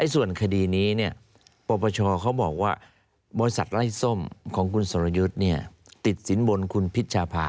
ส่วนคดีนี้เนี่ยปปชเขาบอกว่าบริษัทไร้ส้มของคุณสรยุทธิ์เนี่ยติดสินบลคุณพิชชาภา